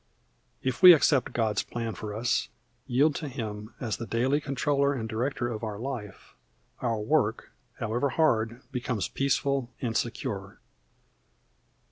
If we accept God's plan for us, yield to Him as the daily controller and director of our life, our work, however hard, becomes peaceful and secure.